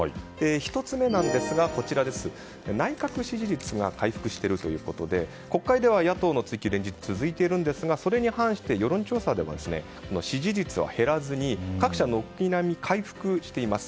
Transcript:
１つ目ですが内閣支持率が回復しているということで国会では野党の追及が連日続いているんですがそれに反して世論調査では支持率は減らずに各社、軒並み回復しています。